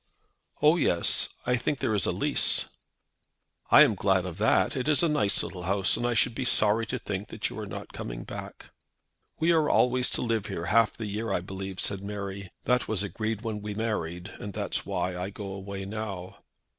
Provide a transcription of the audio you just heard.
"Oh, yes; I think there is a lease." "I am glad of that. It is a nice little house, and I should be sorry to think that you are not coming back." "We are always to live here half the year, I believe," said Mary. "That was agreed when we married, and that's why I go away now."